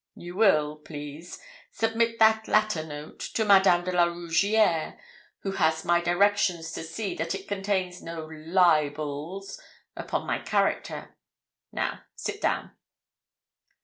You will, please, submit that latter note to Madame de la Rougierre, who has my directions to see that it contains no libels upon my character. Now, sit down.'